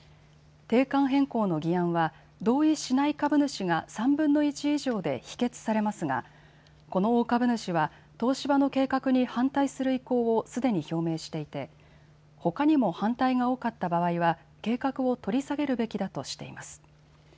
定款変更の議案は同意しない株主が３分の１以上で否決されますがこの大株主は東芝の計画に反対する意向をすでに表明していてほかにも反対が多かった場合は計画を取り下げるべきだとしています。